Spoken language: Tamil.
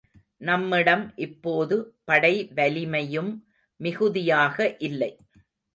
நம்மிடம் இப்போது படை வலிமையும் மிகுதியாக இல்லை.